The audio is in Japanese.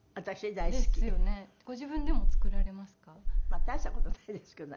大した事ないですけどね。